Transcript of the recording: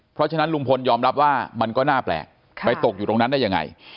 เพราะฉะนั้นลุงพลยอมรับว่ามันก็น่าแปลกไปตกอยู่ตรงนั้นได้ยังไง